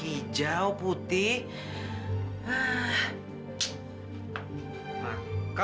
di mana ludahnya aku